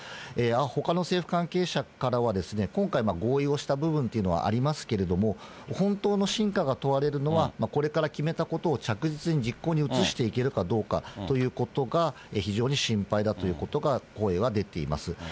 ほかの政府関係者からは、今回、合意をした部分というのはありますけれども、本当の真価が問われるのは、これから決めたことを着実に実行に移していけるかどうかということが非常に心配だということが、声が出ています。